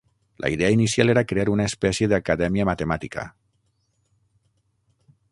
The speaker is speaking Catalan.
La idea inicial era crear una espècie d'acadèmia matemàtica.